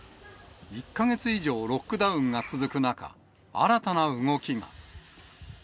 １か月以上ロックダウンが続く中、新たな動きが。